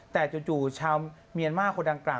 แต่จู่ชาวเมียนมาร์คนดังกล่า